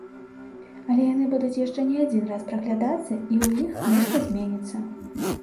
Але яны будуць яшчэ не адзін раз праглядацца і ў іх нешта зменіцца.